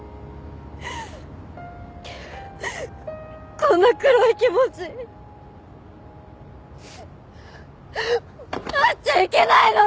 こんな黒い気持ちあっちゃいけないのに！